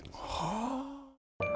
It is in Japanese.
はあ。